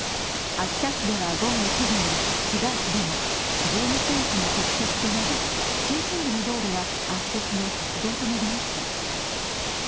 秋田市では午後１時に、市街地でも１２ｃｍの積雪となり、中心部の道路は圧雪の雪道となりました。